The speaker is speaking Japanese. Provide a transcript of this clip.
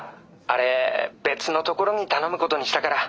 あれ別のところに頼むことにしたから。